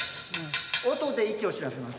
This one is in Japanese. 音で位置を知らせます。